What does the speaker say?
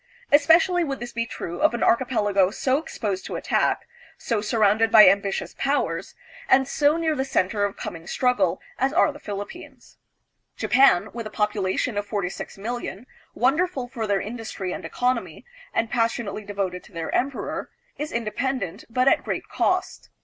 Especially would this be true of an archipelago so exposed to attack, so surrounded by .ambitious powers, and so AMERICA AND THE PHILIPPINES. 319 near the center of coming struggle, as are the Philippines. Japan, with a population of forty six million, wonderful for their industry and economy, and passionately devoted to their emperor, is independent, but at great cost.